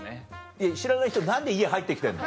いや知らない人何で家入って来てんの？